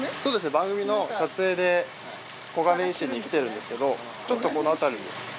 番組の撮影で小金井市に来てるんですけどちょっとこのあたりに。